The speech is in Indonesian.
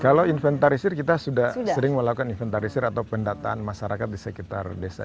kalau inventarisir kita sudah sering melakukan inventarisir atau pendataan masyarakat di sekitar desa